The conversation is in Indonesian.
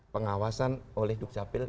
pengawasan oleh duk capil